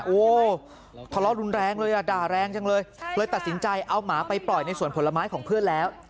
โอ้ทะเลาะรุนแรงเลยอ่ะด่าแรงจังเลยเลยตัดสินใจเอาหมาไปปล่อยในสวนผลไม้ของเพื่อนแล้ว